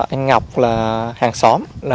anh ngọc là hàng xóm